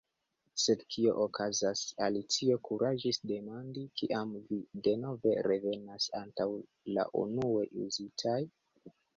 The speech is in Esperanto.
"Sed kio okazas," Alicio kuraĝis demandi, "kiam vi denove revenas antaŭ la unue uzitaj?"